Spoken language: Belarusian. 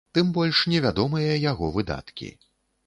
Тым больш невядомыя яго выдаткі.